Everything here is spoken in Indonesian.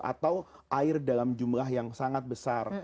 atau air dalam jumlah yang sangat besar